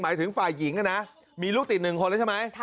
หมายถึงฝ่ายหญิงนะมีลูกติด๑คนแล้วใช่ไหม